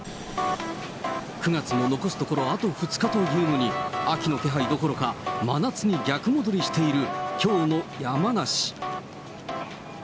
９月も残すところ、あと２日というのに、秋の気配どころか、真夏に逆戻りしている、きょうの山梨。